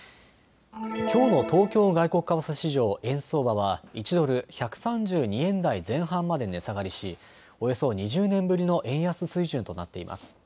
きょうの東京外国為替市場円相場は１ドル１３２円台前半まで値下がりしおよそ２０年ぶりの円安水準となっています。